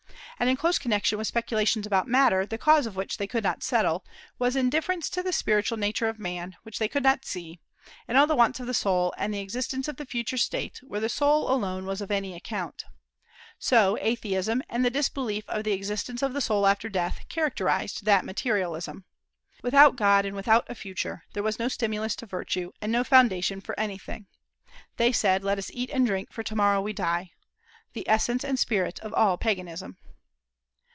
And in close connection with speculations about matter, the cause of which they could not settle, was indifference to the spiritual nature of man, which they could not see, and all the wants of the soul, and the existence of the future state, where the soul alone was of any account. So atheism, and the disbelief of the existence of the soul after death, characterized that materialism. Without God and without a future, there was no stimulus to virtue and no foundation for anything. They said, "Let us eat and drink, for to morrow we die," the essence and spirit of all paganism.